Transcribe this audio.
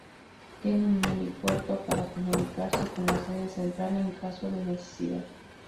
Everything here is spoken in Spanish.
Tiene un helipuerto para comunicarse con la sede central en caso de necesidad.